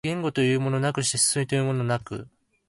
言語というものなくして思惟というものなく、